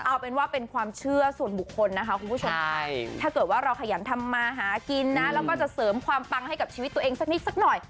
เอาเป็นว่าเป็นความเชื่อส่วนบุคคลนะคะคุณผู้ชมถ้าเกิดว่าเราขยันทำมาหากินนะแล้วก็จะเสริมความปังให้กับชีวิตตัวเองสักนิดสักหน่อย